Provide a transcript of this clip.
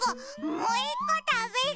もういっこたべる！